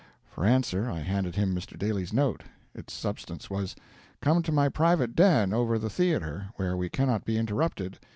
For answer I handed him Mr. Daly's note. Its substance was: "Come to my private den, over the theater, where we cannot be interrupted.